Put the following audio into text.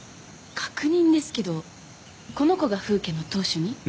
確認ですけどこの子がフウ家の当主に？